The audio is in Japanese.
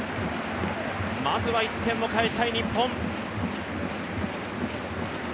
まずは１点を返したい日本。